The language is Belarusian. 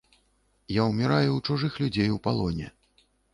Я ўміраю ў чужых людзей у палоне.